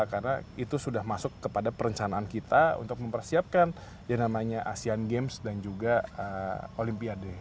karena itu sudah masuk kepada perencanaan kita untuk mempersiapkan yang namanya asean games dan juga olympiade